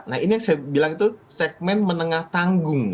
nah ini yang saya bilang itu segmen menengah tanggung